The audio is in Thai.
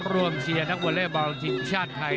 รวมเชียร์นักวอเลเบอร์บอลทีมชาติไทย